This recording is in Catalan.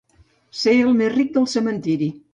Ser el més ric del cementiri.